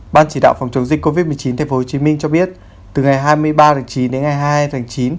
ban chỉ đạo phòng chống dịch covid một mươi chín tp hcm cho biết từ ngày hai mươi ba tháng chín đến ngày hai mươi hai tháng chín